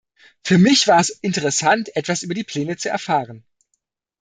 Für mich war es interessant, etwas über die Pläne zu erfahren.